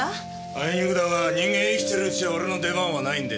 あいにくだが人間生きてるうちは俺の出番はないんでね。